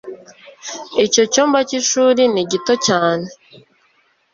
icyo cyumba cy'ishuri ni gito cyane